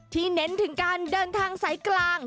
ที่เน้นถึงการเดินทางใส่กลาง